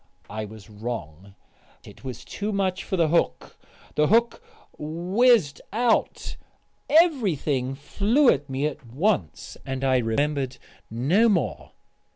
I was wrong. It was too much for the hook. The hook whizzed out, everything flew at me at once, and I remembered no more....